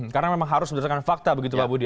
karena memang harus berdasarkan fakta begitu pak budi